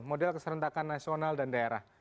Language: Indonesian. model keserentakan nasional dan daerah